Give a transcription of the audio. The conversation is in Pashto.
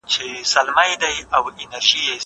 زه مخکي کتابتوننۍ سره وخت تېروولی وو!